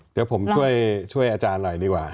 เดี๋ยวผมช่วยอาจารย์หน่อยดีกว่า